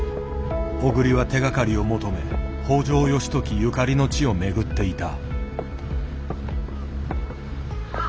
小栗は手がかりを求め北条義時ゆかりの地を巡っていた。